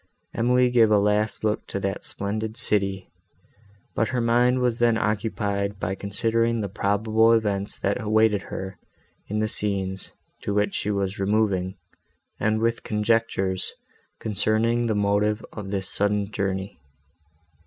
Emily gave a last look to that splendid city, but her mind was then occupied by considering the probable events, that awaited her, in the scenes, to which she was removing, and with conjectures, concerning the motive of this sudden journey.